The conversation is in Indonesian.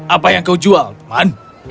apa yang kau jual teman